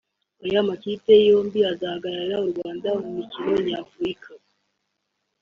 Aya makipe yombi azahagararira u Rwanda mu mikino nyafurika